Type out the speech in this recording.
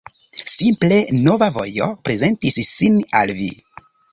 Simple, nova vojo prezentis sin al vi.